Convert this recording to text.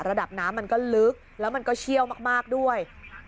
ระดับน้ำมันก็ลึกแล้วมันก็เชี่ยวมากด้วย